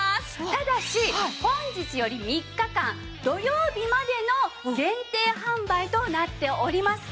ただし本日より３日間土曜日までの限定販売となっております。